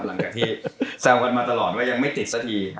หลังจากที่แซวกันมาตลอดว่ายังไม่ติดสักที